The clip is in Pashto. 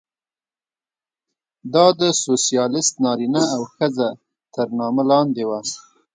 دا د سوسیالېست نارینه او ښځه تر نامه لاندې وه.